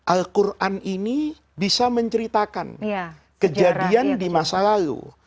al quran ini bisa menceritakan kejadian di masa lalu